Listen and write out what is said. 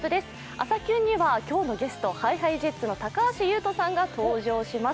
「朝キュン」には今日のゲスト、ＨｉＨｉＪｅｔｓの高橋優斗さんが登場します